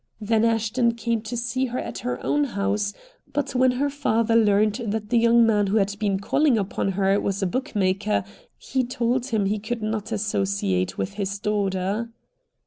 Then Ashton came to see her at her own house, but when her father learned that the young man who had been calling upon her was a bookmaker he told him he could not associate with his daughter.